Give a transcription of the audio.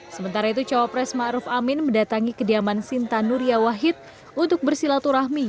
sementara itu cowopres maruf amin mendatangi kediaman sinta nuria wahid untuk bersilaturahmi